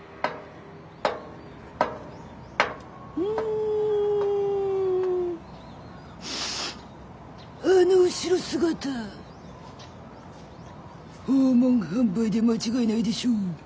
んあの後ろ姿訪問販売で間違いないでしょ。